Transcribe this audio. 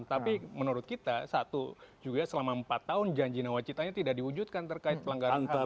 tapi menurut kita satu juga selama empat tahun janji nawacitanya tidak diwujudkan terkait pelanggaran hukum